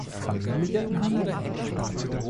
Familie in Hannover.